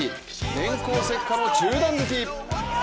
電光石火の中段突き。